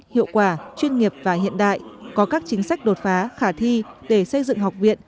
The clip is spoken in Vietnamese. hiệu quả chuyên nghiệp và hiện đại có các chính sách đột phá khả thi để xây dựng học viện